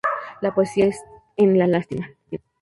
La Poesía es en la lástima.